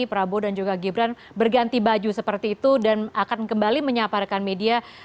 prabowo dan juga gibran berganti baju seperti itu dan akan kembali menyapa rekan media